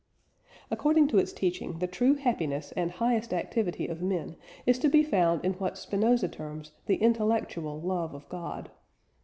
According to its teaching the true happiness and highest activity of men is to be found in what Spinoza terms "the intellectual love of God."